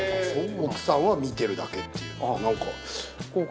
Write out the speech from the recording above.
奥さんは見てるだけっていう。